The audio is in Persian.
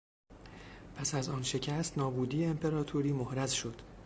پس از آن شکست نابودی امپراطوری محرز شد.